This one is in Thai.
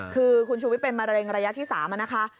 คือคุณชูวิทย์เป็นมะเร็งระยะที่๓นะคะ